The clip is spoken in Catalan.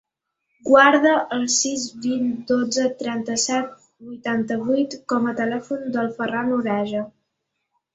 Guarda el sis, vint, dotze, trenta-set, vuitanta-vuit com a telèfon del Ferran Oreja.